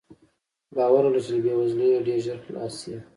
باور ولره چې له بې وزلۍ ډېر ژر خلاص شې.